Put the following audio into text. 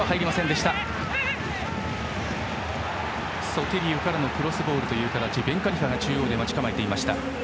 ソティリウからのクロスボールをベンカリファが中央で待ち構えていました。